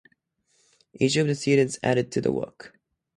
Each of the students added to the work.